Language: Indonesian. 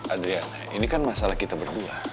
adria ini kan masalah kita berdua